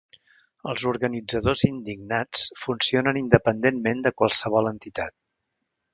Els organitzadors indignats funcionen independentment de qualsevol entitat.